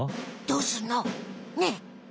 どうすんの？ねえ！